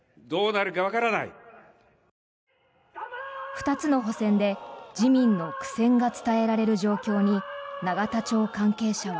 ２つの補選で自民の苦戦が伝えられる状況に永田町関係者は。